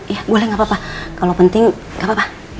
ya boleh gak apa apa kalau penting gak apa apa